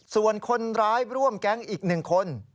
ส่วนคนร้ายร่วมแก๊งอีก๑คน